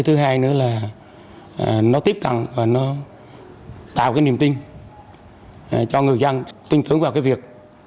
thứ hai nữa là nó tiếp cận và nó tạo cái niềm tin cho người dân tin tưởng vào cái việc